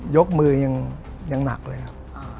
ยกมือยังหนักเลยครับ